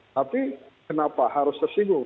tapi kenapa harus tersinggung